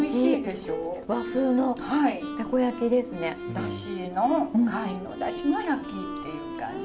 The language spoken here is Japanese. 出汁の貝の出汁の焼きっていう感じ。